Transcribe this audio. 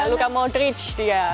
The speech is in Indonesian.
luka modric dia